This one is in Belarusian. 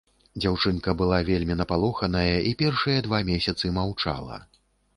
Дзяўчынка была вельмі напалоханая, і першыя два месяцы маўчала.